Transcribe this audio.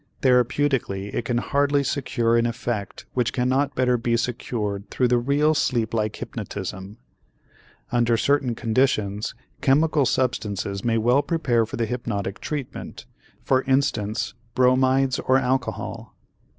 Therapeutically it can hardly secure an effect which cannot better be secured through the real sleeplike hypnotism. Under certain conditions, chemical substances may well prepare for the hypnotic treatment, for instance bromides or alcohol.